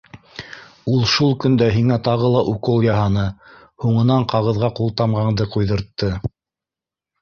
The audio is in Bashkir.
Ул шул көндә һиңә тағы ла укол яһаны, һуңынан ҡағыҙға ҡултамғаңды ҡуйҙыртты.